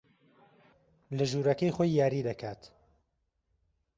لە ژوورەکەی خۆی یاری دەکات.